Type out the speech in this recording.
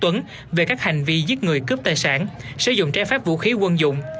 tuấn về các hành vi giết người cướp tài sản sử dụng trái phép vũ khí quân dụng